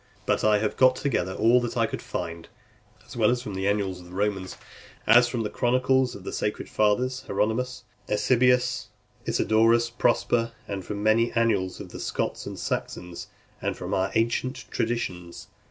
But I have got together all that I could find as well from the annals of the Romans as from the chronicles of the sacred fathers, Hieronymus, Eusebius, Isidorus, Prosper, and from the annals of the Scots and Saxons, and from our ancient traditions.